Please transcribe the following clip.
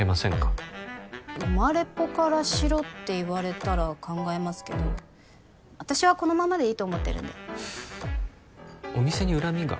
ウマレポからしろって言われたら考えますけど私はこのままでいいと思ってるんでお店に恨みが？